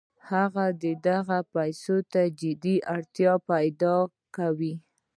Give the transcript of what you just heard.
هغه دغو پیسو ته جدي اړتیا پیدا کوي